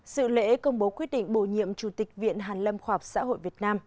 sự lễ công bố quyết định bổ nhiệm chủ tịch viện hàn lâm khoa học xã hội việt nam